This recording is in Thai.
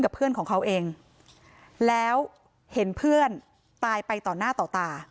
เพื่อนของเขาเองแล้วเห็นเพื่อนตายไปต่อหน้าต่อตา